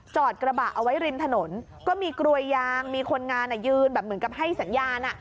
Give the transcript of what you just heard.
กระบะเอาไว้ริมถนนก็มีกลวยยางมีคนงานยืนแบบเหมือนกับให้สัญญาณ